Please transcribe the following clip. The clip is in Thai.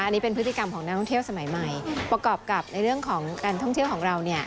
อันนี้เป็นพฤติกรรมของนักท่องเที่ยวสมัยใหม่ประกอบกับในเรื่องของการท่องเที่ยวของเรา